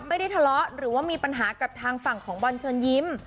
ไม่ได้ทะเลาะหรือว่ามีปัญหากับทางฝั่งของบอลเชิญยิ้ม